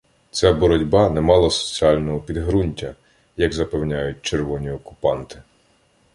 Ця боротьба не мала соціального підгрунтя, як запевняють червоні окупанти.